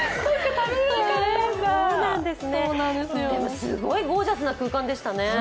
でもすごいゴージャスな空間でしたね。